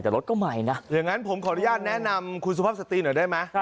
แต่รถก็ใหม่นะอย่างนั้นผมขออนุญาตแนะนำคุณสุภาพสตรีหน่อยได้ไหม